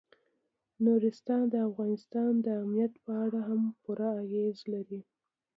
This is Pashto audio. نورستان د افغانستان د امنیت په اړه هم پوره اغېز لري.